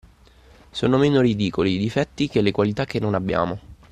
Sono meno ridicoli i difetti che le qualità che non abbiamo.